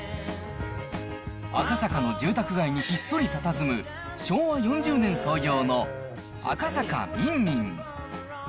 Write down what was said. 赤坂の住宅街にひっそりたたずむ、昭和４０年創業の赤坂みんみん。